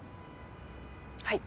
はい。